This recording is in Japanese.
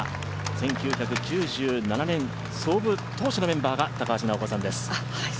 １９９７年創部当初のメンバーが高橋尚子さんです。